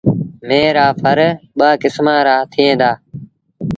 ميݩهن رآ ڦر ٻآ کسمآݩ رآ ٿئيٚݩ دآ۔